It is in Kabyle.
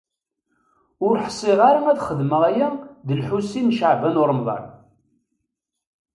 Ur ḥṣiɣ ara ad xedmeɣ aya d Lḥusin n Caɛban u Ṛemḍan.